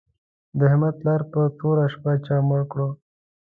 د احمد پلار په توره شپه چا مړ کړ